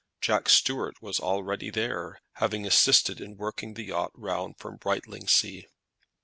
Jack Stuart was already there, having assisted in working the yacht round from Brightlingsea.